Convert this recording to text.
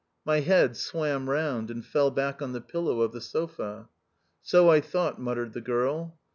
My head swam round and fell back on the pillow of the sofa. " So I thought," muttered the girl.